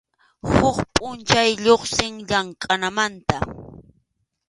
Huk pʼunchaw lluqsin llamkʼananmanta.